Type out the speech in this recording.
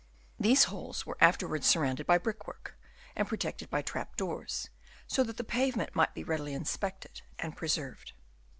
These holes were afterwards surrounded by brickwork, and protected by trap doors, so that the pavement might be readily inspected and preserved.